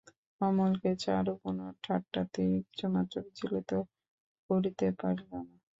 অমলকে চারু কোনো ঠাট্টাতেই কিছুমাত্র বিচলিত করিতে পারিল না।